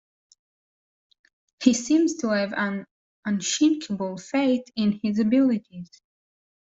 He seems to have an unshakeable faith in his abilities.